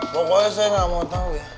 pokoknya saya gak mau tau ya